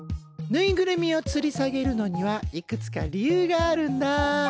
ぬいぐるみをつり下げるのにはいくつか理由があるんだ。